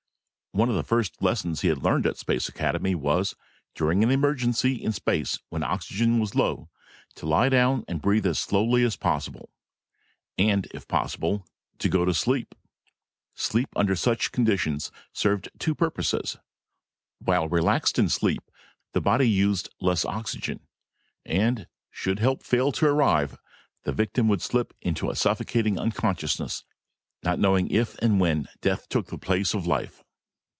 One of the first lessons he had learned at Space Academy was, during an emergency in space when oxygen was low, to lie down and breath as slowly as possible. And, if possible, to go to sleep. Sleep, under such conditions, served two purposes. While relaxed in sleep, the body used less oxygen and should help fail to arrive, the victim would slip into a suffocating unconsciousness, not knowing if and when death took the place of life.